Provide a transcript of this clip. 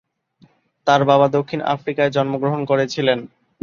তার বাবা দক্ষিণ আফ্রিকায় জন্মগ্রহণ করেছিলেন।